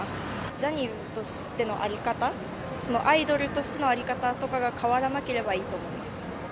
ジャニーズとしての在り方、そのアイドルとしての在り方とかが変わらなければいいと思います。